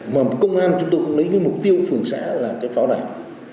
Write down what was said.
mà công an chúng tôi cũng lấy cái mục tiêu phường xã là cái pháo đài